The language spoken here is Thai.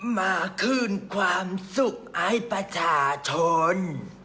มาคืนความสุขให้ประชาชน